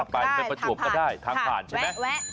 ไปไปประจวบก็ได้ทางผ่านใช่ไหมแวะ